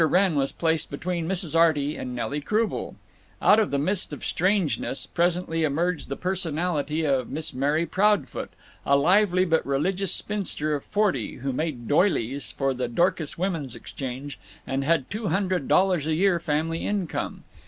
Wrenn was placed between Mrs. Arty and Nelly Croubel. Out of the mist of strangeness presently emerged the personality of Miss Mary Proudfoot, a lively but religious spinster of forty who made doilies for the Dorcas Women's Exchange and had two hundred dollars a year family income.